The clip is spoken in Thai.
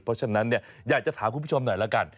เพราะฉะนั้นอยากจะถามคุณผู้ชมหน่อยละกัน